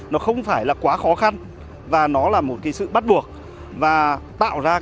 nó không phải là quá khó khăn và nó là một cái sự bắt buộc và tạo ra